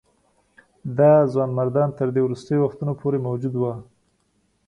دا ځوانمردان تر دې وروستیو وختونو پورې موجود وه.